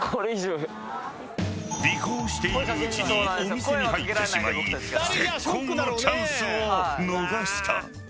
［尾行しているうちにお店に入ってしまい絶好のチャンスを逃した］